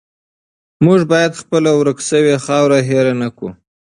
موږ باید خپله ورکه شوې خاوره هیره نه کړو.